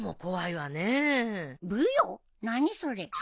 何それ？